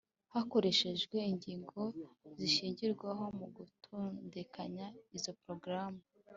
hakoreshejwe ingingo zishingirwaho mu gutondekanya izo porogaramu